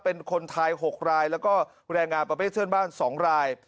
เป็นคนไทย๖รายแล้วก็แรงงานประเภทเพื่อนบ้าน๒ราย